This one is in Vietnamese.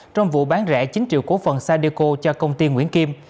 trong vụ bán rẻ chín triệu cổ phần sadeco cho công ty nguyễn kim